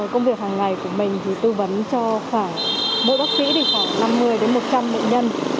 công việc hàng ngày của mình thì tư vấn cho khoảng mỗi bác sĩ thì khoảng năm mươi đến một trăm linh bệnh nhân